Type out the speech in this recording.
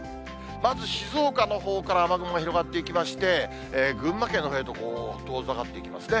まず静岡のほうから雨雲が広がっていきまして、群馬県のほうへと遠ざかっていきますね。